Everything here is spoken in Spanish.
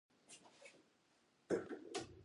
Mantiene oculto un gran amor hacia Reid.